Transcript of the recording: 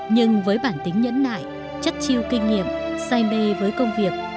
nhưng với bản tính nhẫn nại chất chiêu kinh nghiệm say mê với công việc